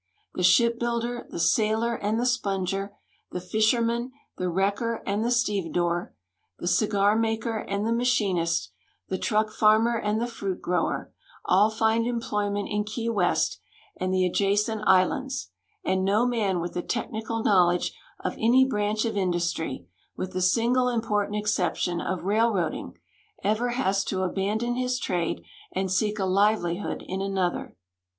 The shipl)uilder, the sailor, and the sponger, the fisherman, the Avrecker, and the stevedore, the cigarmaker and the machinist, the truck farmer and the fruit groAver, all find em])loyment in Key \>'est and the adjacent islands, and no man Avith a technical knoAvlodge of any branch of industr}', Avith the single important exception of rail roading, ever has to abandon his trade and seek a livelihood in another.